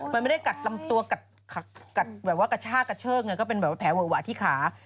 มันไม่ได้กัดตัวแบบว่ากระชากกระเชิกก็เป็นแผลหวะที่ขา